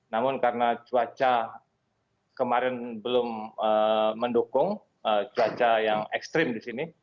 namun karena cuaca kemarin belum mendukung cuaca yang ekstrim di sini